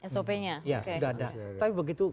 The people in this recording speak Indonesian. sop nya ya sudah ada tapi begitu